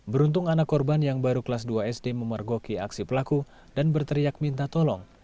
beruntung anak korban yang baru kelas dua sd memergoki aksi pelaku dan berteriak minta tolong